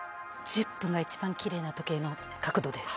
１０分が一番奇麗な時計の角度です。